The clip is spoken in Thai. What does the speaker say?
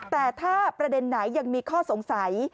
แต่ถ้าประเด็นไหนยังมีข้อสงสัย